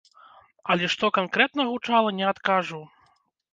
Але што канкрэтна гучала, не адкажу.